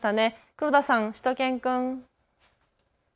黒田さん、しゅと犬くん。